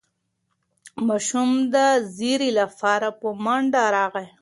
ماشوم د زېري لپاره په منډه راغی.